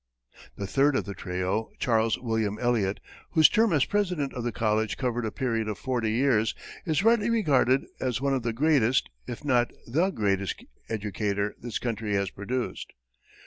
The third of the trio, Charles William Eliot, whose term as president of the college covered a period of forty years, is rightly regarded as one of the greatest, if not the greatest educator this country has produced.